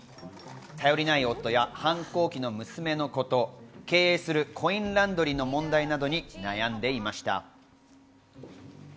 頼りない夫や、反抗期の娘のこと、経営するコインランドリーの問題などに悩んでいました。